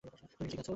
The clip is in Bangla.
তুমি কি ঠিক আছ?